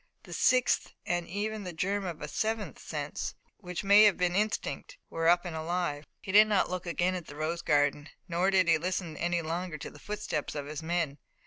The sixth, and even the germ of a seventh sense, which may have been instinct, were up and alive. He did not look again at the rose garden, nor did he listen any longer to the footsteps of his men.